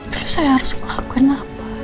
terus saya harus ngelakuin apa